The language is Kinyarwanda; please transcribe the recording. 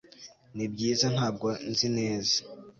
nibyiza ... ntabwo nzi neza